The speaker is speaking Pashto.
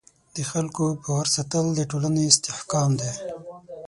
د خلکو باور ساتل د ټولنې استحکام دی.